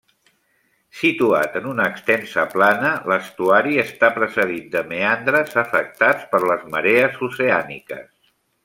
Situat en una extensa plana, l'estuari està precedit de meandres afectats per les marees oceàniques.